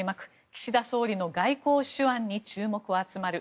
岸田総理の外交手腕に注目集まる。